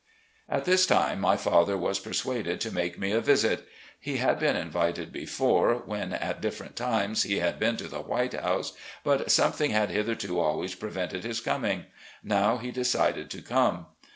At this time my father was persuaded to make me a visit. He had been invited before, when at different times he had been to the "White House," but something had hitherto always prevented his coming ; now he decided to come.